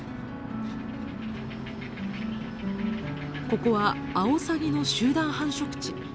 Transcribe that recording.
ここはアオサギの集団繁殖地。